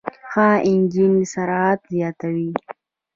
ښه انجن سرعت زیاتوي.